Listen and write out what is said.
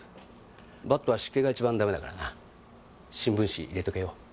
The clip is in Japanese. バットは湿気が一番ダメだからな新聞紙入れとけよ